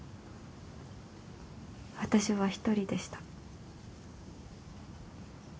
私は１人でした。